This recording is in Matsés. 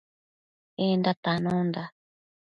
Enda tanonda